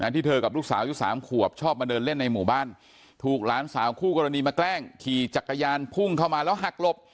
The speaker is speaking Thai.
ที่เธอกับลูกสาวอยู่๓ขวบชอบมาเดินเล่นในหมู่บ้านถูกหลานสาวคู่กรณีมาแกล้งขี่จักรยานพุ่งเข้ามาแล้วหักหลบ